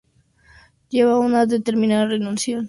Llevaba una determinación: renunciar.